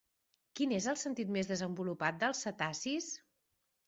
Quin és el sentit més desenvolupat dels cetacis?